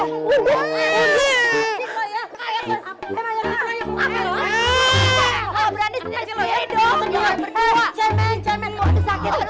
setelah cilis ikhwan ikhwan perempuan doma lama dan nangka dewa dama udah udah udah udah